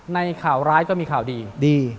ในข่าวไลค์ก็มีข่าวดี